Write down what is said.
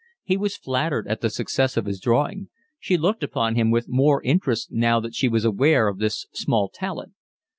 He was flattered at the success of his drawing; she looked upon him with more interest now that she was aware of this small talent.